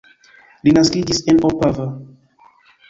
Li naskiĝis en Opava.